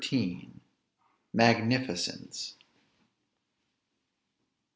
MAGNIFICENCE.